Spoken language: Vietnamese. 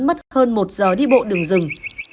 mất hơn một giờ đi bộ đường rừng